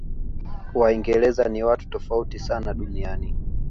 waingereza ni watu tofauti sana duniani